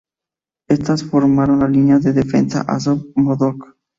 Estos formaron la línea de defensa de Azov-Mozdok.